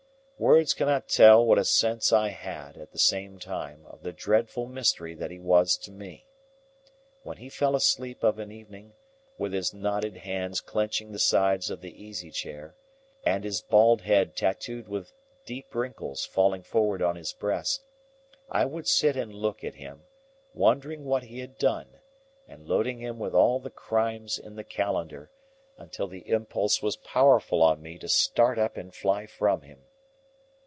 Words cannot tell what a sense I had, at the same time, of the dreadful mystery that he was to me. When he fell asleep of an evening, with his knotted hands clenching the sides of the easy chair, and his bald head tattooed with deep wrinkles falling forward on his breast, I would sit and look at him, wondering what he had done, and loading him with all the crimes in the Calendar, until the impulse was powerful on me to start up and fly from him.